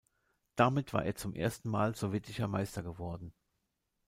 Damit war er zum ersten Mal sowjetischer Meister geworden.